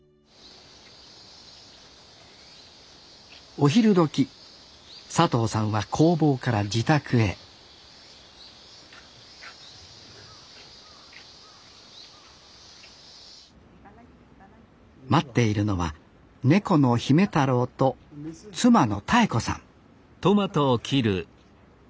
お昼どき佐藤さんは工房から自宅へ待っているのは猫のひめたろうと妻のたえ子さん